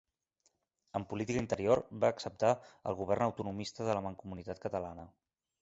En política interior, va acceptar el govern autonomista de la Mancomunitat catalana.